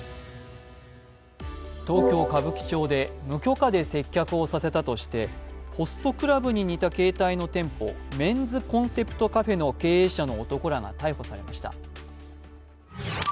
東京・歌舞伎町で無許可で接客をさせたとしてホストクラブに似た携帯の店舗、メンズコンセプトカフェの経営者の男らが逮捕されました。